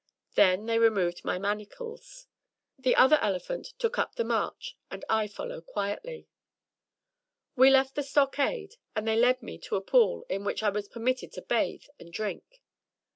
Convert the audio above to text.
Then they removed my manacles; the other elephant took up the march, and I followed quietly. We left the stockade, and they led me to a pool in which I was permitted to bathe and drink.